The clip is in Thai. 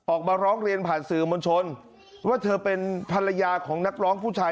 ออกมาร้องเรียนผ่านสื่อมวลชนว่าเธอเป็นภรรยาของนักร้องผู้ชาย